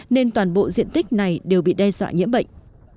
nên toàn bộ diện tích này đều bị đe dọa nhiễm bệnh